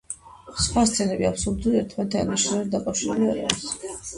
სხვა სცენები აბსურდულია და ერთმანეთთან შინაარსობრივად დაკავშირებული არ არის.